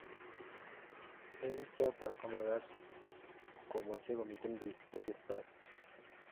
eng chotovkomagaat komeche komiten biik chesirtoi